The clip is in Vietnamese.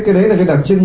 cái đấy là cái đặc trưng